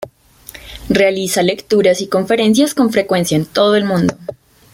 Realiza lecturas y conferencias con frecuencia en todo el mundo.